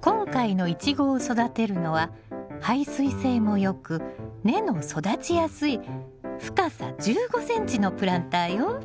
今回のイチゴを育てるのは排水性も良く根の育ちやすい深さ１５ｃｍのプランターよ。